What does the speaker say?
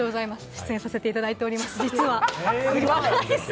出演させていただいております、実は。